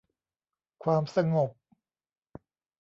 ความสงบ